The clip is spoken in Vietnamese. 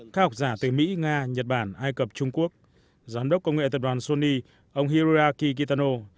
các học giả từ mỹ nga nhật bản ai cập trung quốc giám đốc công nghệ tập đoàn sony ông hirorakitano